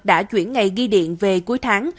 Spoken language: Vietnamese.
đã chuyển ngày ghi điện về cuối tháng